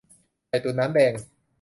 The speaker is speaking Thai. ไก่ตุ๋นน้ำแดง